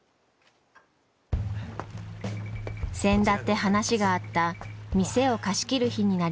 せんだって話があった店を貸し切る日になりました。